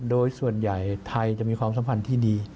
โดยส่วนใหญ่ไทยจะมีความสัมพันธ์ที่ดี